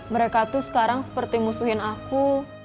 mereka tuh sekarang seperti musuhin aku